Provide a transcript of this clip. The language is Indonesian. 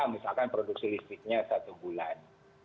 misalkan produksi listriknya satu bulan